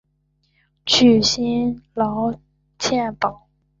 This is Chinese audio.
具薪资劳健保